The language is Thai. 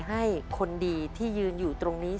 ให้คนดีที่ยืนอยู่ตรงนี้